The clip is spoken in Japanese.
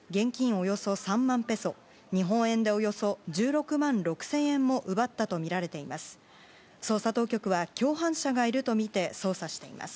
およそ３万ペソ日本円でおよそ１６万６０００円も奪ったとみられています。